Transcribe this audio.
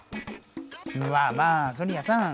まあまあソニアさん